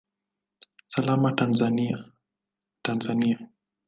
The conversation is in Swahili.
Salama Tanzania, Tanzania!